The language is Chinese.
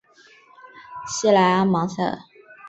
西莱阿芒塞。